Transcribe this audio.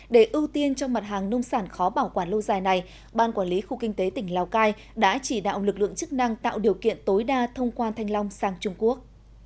để ưu tiên cho mặt hàng nông sản khó bảo quản lâu dài này ban quản lý khu kinh tế tỉnh lào cai đã chỉ đạo lực lượng chức năng tạo điều kiện tối đa thông qua thanh long sang trung quốc